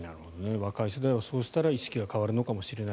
若い世代はそうすると意識が変わるのかもしれない。